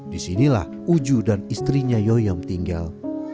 di sinilah uju dan istrinya yoyom tinggal